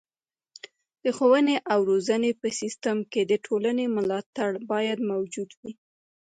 د ښوونې او روزنې په سیستم کې د ټولنې ملاتړ باید موجود وي.